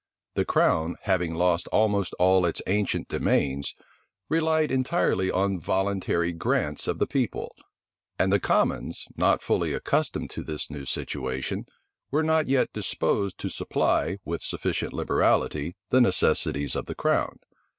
The crown, having lost almost all its ancient demesnes, relied entirely on voluntary grants of the people; and the commons, not fully accustomed to this new situation, were not yet disposed to supply, with sufficient liberality, the necessities of the crown.